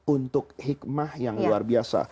untuk hikmah yang luar biasa